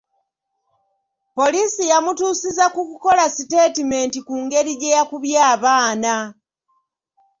Poliisi yamutuusiza ku kukola siteetimenti ku ngeri ge yakubye abaana.